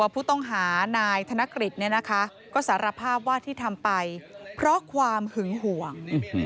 พุต้องหานายธนคริสต์ก็สาระภาพว่าที่ทำไปเพื่อความห่วง